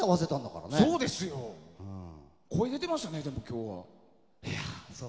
声出てましたね、今日は。